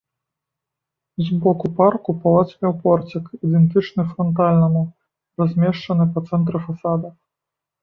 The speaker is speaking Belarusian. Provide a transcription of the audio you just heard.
З боку парку палац меў порцік, ідэнтычны франтальнаму, размешчаны па цэнтры фасада.